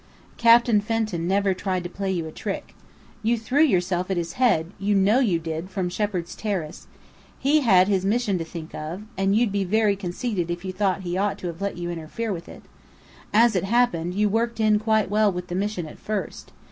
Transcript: Captain Fenton never tried to play you a trick. You threw yourself at his head, you know you did, from Shepheard's terrace. He had his mission to think of, and you'd be very conceited if you thought he ought to have let you interfere with it. As it happened, you worked in quite well with the mission at first.